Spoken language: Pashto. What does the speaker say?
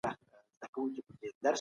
د څېړني لپاره لارښود استاد پیدا کړئ.